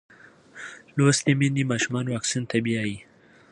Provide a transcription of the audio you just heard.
لوستې میندې ماشومان واکسین ته بیايي.